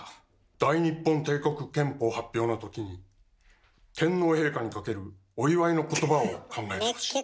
「大日本帝国憲法」発表のときに天皇陛下にかけるお祝いのことばを考えてほしい。